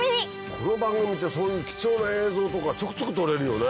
この番組ってそういう貴重な映像とかちょくちょく撮れるよね。